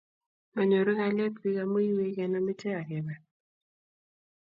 manyoru kalyet biik amu iywei kenam iche agebar.